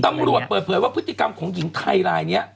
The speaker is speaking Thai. ตำรวจเปิดเผยว่าพฤติกรรมของหญิงไทยรายเนี้ย